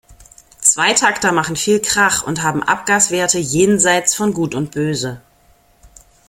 Zweitakter machen viel Krach und haben Abgaswerte jenseits von Gut und Böse.